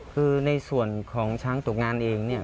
คือในส่วนของช้างตกงานเองเนี่ย